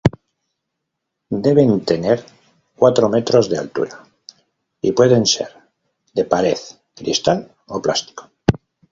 Deben tener cuatro metros de altura y pueden ser de pared, cristal o plástico.